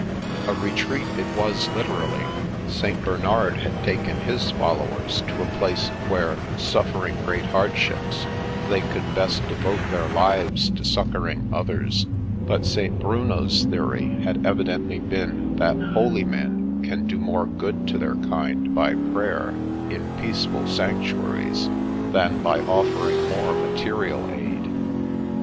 A retreat it was liter ally. St. Bernard had taken his followers to a place where, suffering great hardships, they could best de ^ vote their lives to succouring others ; but St. Bruno's theory had evidently been that holy men can do more good to their kind by prayer in peaceful sanctuaries than by offering more material aid.